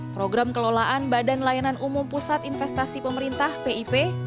program kelolaan badan layanan umum pusat investasi pemerintah pip